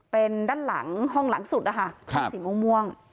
เป็นห้องหลังสุดห้องสีม่วง